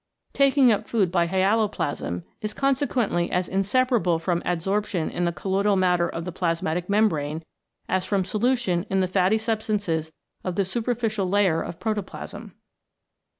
Taking up food by hyaloplasm is consequently as inseparable from adsorption in the colloidal matter of the plasmatic membrane, as from solution in the fatty substances of the superficial layer of protoplasm.